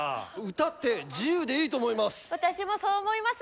歌って自由でいいと思います。